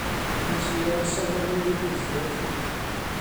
Wnes i weld seren wib neithiwr.